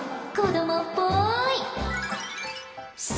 子どもっぽい。